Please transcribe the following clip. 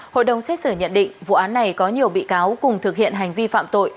hội đồng xét xử nhận định vụ án này có nhiều bị cáo cùng thực hiện hành vi phạm tội